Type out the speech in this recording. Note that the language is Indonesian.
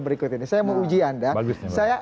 berikut ini saya mau uji anda saya